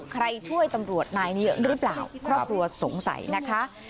ช่วยตำรวจนายนี้หรือเปล่าครอบครัวสงสัยนะคะ